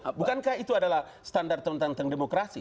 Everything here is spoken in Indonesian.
amerika itu adalah standar tentang demokrasi